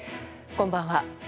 こんばんは。